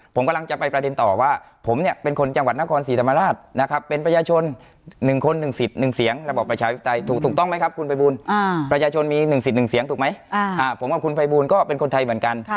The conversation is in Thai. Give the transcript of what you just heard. ประชาชนมีหนึ่งสิทธิ์หนึ่งเสียงถูกไหมผมว่าคุณภัยบูลก็เป็นคนไทยเหมือนกัน